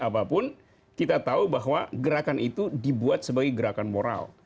apapun kita tahu bahwa gerakan itu dibuat sebagai gerakan moral